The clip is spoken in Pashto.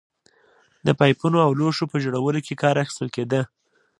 د پایپونو او لوښو په جوړولو کې کار اخیستل کېده